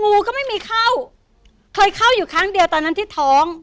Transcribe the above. งูก็ไม่มีเข้าเคยเข้าอยู่ครั้งเดียวตอนนั้นที่ท้อง